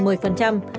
mười phần trăm